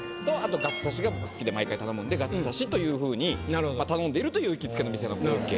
僕好きで毎回頼むんでガツ刺しというふうに頼んでいるという行きつけの店の風景。